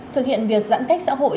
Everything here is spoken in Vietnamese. thực hiện việc giãn cách xã hội